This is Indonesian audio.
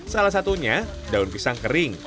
salah satunya daun pisang kering